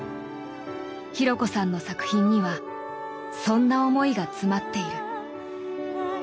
紘子さんの作品にはそんな思いが詰まっている。